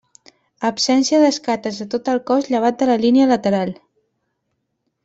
Absència d'escates a tot el cos llevat de la línia lateral.